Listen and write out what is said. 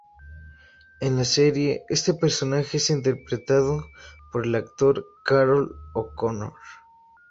En la serie, este personaje es interpretado por el actor Carroll O'Connor.